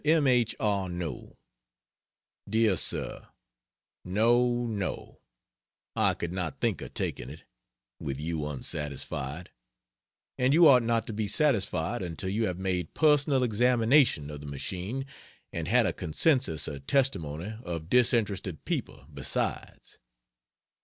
M. H. ARNOT DEAR SIR, No no, I could not think of taking it, with you unsatisfied; and you ought not to be satisfied until you have made personal examination of the machine and had a consensus of testimony of disinterested people, besides.